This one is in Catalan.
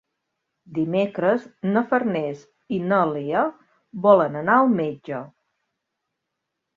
Dimecres na Farners i na Lea volen anar al metge.